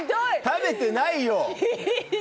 食べてないよ！